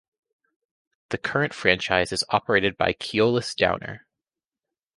The current franchise is operated by Keolis Downer.